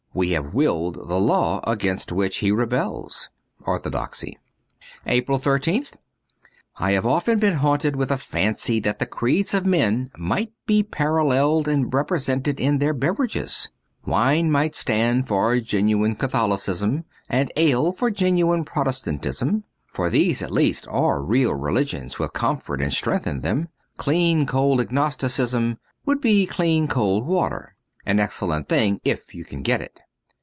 We have willed the law against which he rebels. ^Orthodox.'' APRIL 13th I HAVE often been haunted with a fancy that the creeds of men might be paralleled and represented in their beverages. Wine might stand for genuine Catholicism, and ale for genuine Protestantism ; for these at least are real religions with comfort and strength in them. Clean cold Agnosticism would be clean cold water — an excel lent thing if you can get it.